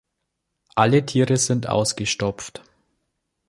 Alle Tiere sind ausgestopft.